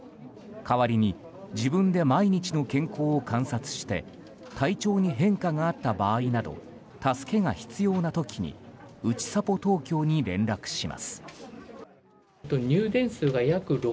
代わりに自分で毎日の健康を観察して体調に変化があった場合など助けが必要な時にうちさぽ東京に連絡します。